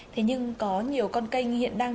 thế nhưng có nhiều con canh hiện đang